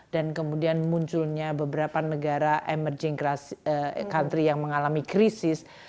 dan kemudian munculnya beberapa negara emerging country yang mengalami krisis